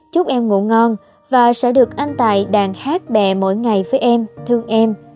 chúc em ngủ ngon và sẽ được anh tài đàn hát bè mỗi ngày với em thương em